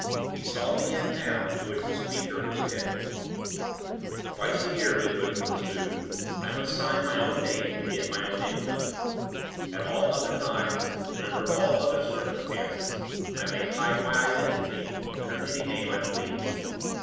He saw the end now to which the speaker was tending "Twice a year," Midwinter pursued, "I must sign my own name to get my own income. At all other times, and under all other circumstances, I may hide my identity under any name I please.